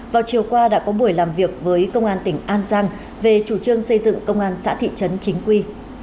vào chiều qua đã có buổi làm việc với công an tỉnh an giang về chủ trương xây dựng công an xã thị trấn chính quy